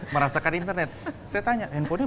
merasakan internet saya tanya handphone